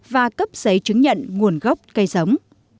và cấp giấy chứng nhận nguồn gốc cây giống